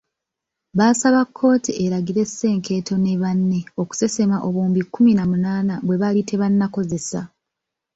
Baasaba kkooti eragire Senkeeto ne banne okusesema obuwumbi kkumi na munaana bwe baali tebannakozesa.